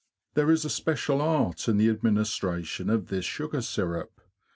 There is a special art in the administration of this sugar syrup.